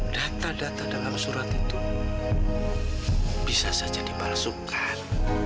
data data dalam surat itu bisa saja dipalsukan